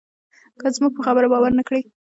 که زموږ په خبره باور نه کړې.